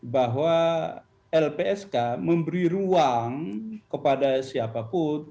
bahwa lpsk memberi ruang kepada siapapun